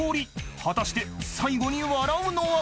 ［果たして最後に笑うのは？］